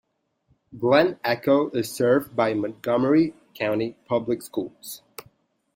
Glen Echo is served by Montgomery County Public Schools.